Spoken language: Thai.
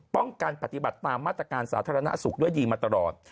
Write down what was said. ป้องกันปฏิบัติตามมาตรการสาธารณสุขด้วยดีมาตลอด